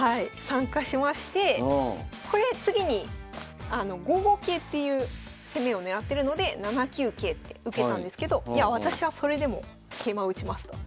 参加しましてこれ次に５五桂っていう攻めを狙ってるので７九桂って受けたんですけど私はそれでも桂馬打ちますと。